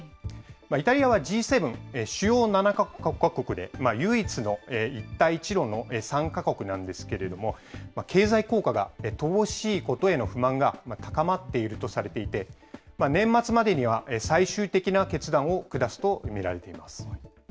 イタリアはＧ７・主要７か国で唯一の一帯一路の参加国なんですけれども、経済効果が乏しいことへの不満が高まっているとされていて、年末までには最終的な決断を下すと見られています。